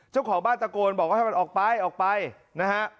เจ้าของบ้านตะโกนบอกว่าให้มันออกไปออกไปนะฮะ